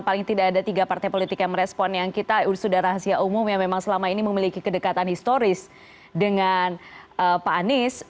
paling tidak ada tiga partai politik yang merespon yang kita sudah rahasia umum yang memang selama ini memiliki kedekatan historis dengan pak anies